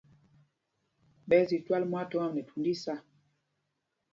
Ɓɛ́ ɛ́ zi twǎl mwaathɔm ām nɛ thund isâ.